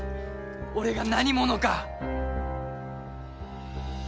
俺が何者か。